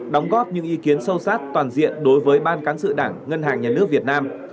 đóng góp những ý kiến sâu sát toàn diện đối với ban cán sự đảng ngân hàng nhà nước việt nam